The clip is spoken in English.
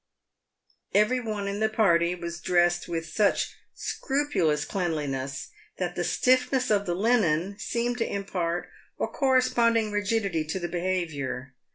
Every one in the party was dressed with such scrupulous cleanli ness that the stiffness of the linen seemed to impart a corresponding rigidity to the behaviour.